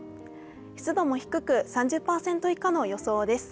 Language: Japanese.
湿度も低く、３０％以下の予想です。